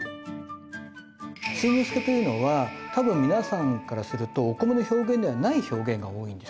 新之助というのは多分皆さんからするとお米の表現ではない表現が多いんです。